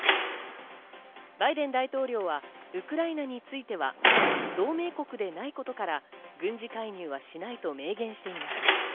バイデン大統領はウクライナについては、同盟国でないことから軍事介入はしないと明言しています。